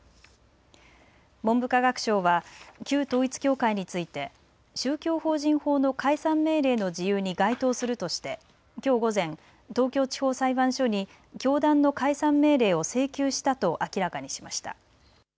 文部科学省は旧統一教会について宗教法人法の解散命令の事由に該当するとしてきょう午前、東京地方裁判所に教団の解散命令を請求したと明らかにしました。